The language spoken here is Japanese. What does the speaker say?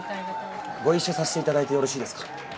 ご一緒させていただいてよろしいですか？